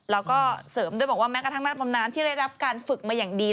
แล้วก็เสริมด้วยบอกว่าแม้กระทั่งนักบำน้ำที่ได้รับการฝึกมาอย่างดี